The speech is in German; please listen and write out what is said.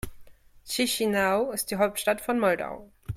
Chișinău ist die Hauptstadt von Moldau.